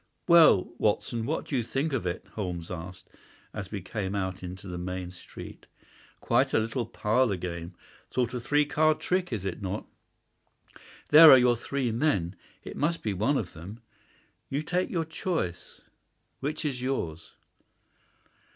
"Well, Watson, what do you think of it?" Holmes asked, as we came out into the main street. "Quite a little parlour game—sort of three card trick, is it not? There are your three men. It must be one of them. You take your choice. Which is yours?"